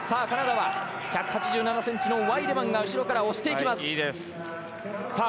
カナダは１８７ｃｍのワイデマンが後ろから押していきます。